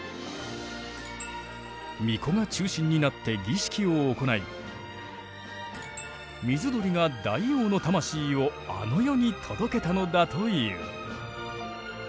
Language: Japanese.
巫女が中心になって儀式を行い水鳥が大王の魂をあの世に届けたのだという。